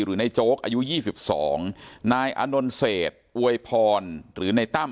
หรือในโจ๊กอายุยี่สิบสองนายอนนเศษอวยพรหรือในตั้ม